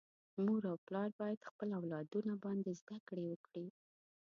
مور او پلار باید خپل اولادونه باندي زده کړي وکړي.